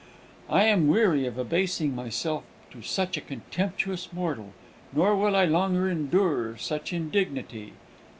I am weary of abasing myself to such a contemptuous mortal, nor will I longer endure such indignity.